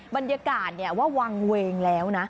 บรรยากาศว่าวางเวงแล้วนะ